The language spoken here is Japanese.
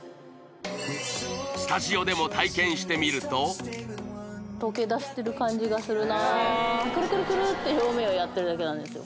スタジオでも体験してみるとがするなクルクルクルって表面をやってるだけなんですよ